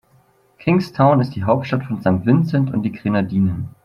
Kingstown ist die Hauptstadt von St. Vincent und die Grenadinen.